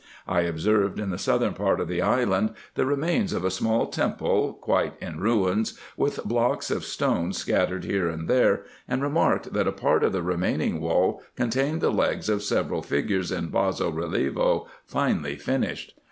I observed in the southern part of the island the remains of a small temple, quite in ruins, with blocks of stone scattered here and there, and remarked, that a part of the remaining wall contained the legs of several figures in basso relievo finely finished.